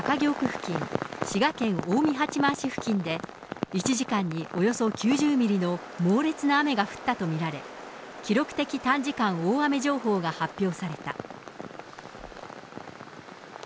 付近、滋賀県近江八幡市付近で、１時間におよそ９０ミリの猛烈な雨が降ったと見られ、記録的短時間大雨情報が発表された。